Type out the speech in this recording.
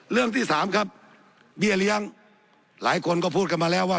เรื่องที่สามครับเบี้ยเลี้ยงหลายคนก็พูดกันมาแล้วว่า